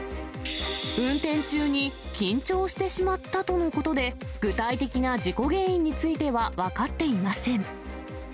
運転中に緊張してしまったとのことで、具体的な事故原因については分かっていません。